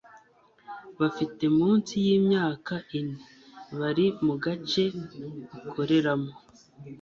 bafite munsi y'imyaka ine bari mu gace ukoreramo